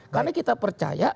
karena kita percaya